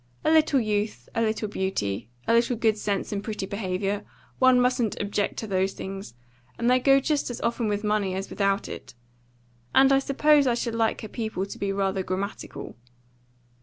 "A little youth, a little beauty, a little good sense and pretty behaviour one mustn't object to those things; and they go just as often with money as without it. And I suppose I should like her people to be rather grammatical."